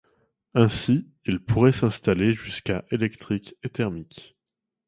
Ainsi, il pourrait s'installer jusqu'à électriques et thermiques.